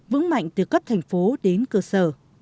vững mạnh từ cấp thành phố đến cơ sở